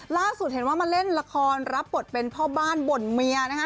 ล่าสุดเห็นมาเล่นราคารับเปิดเป็นพ่อบ้านบทเมีย